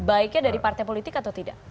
baiknya dari partai politik atau tidak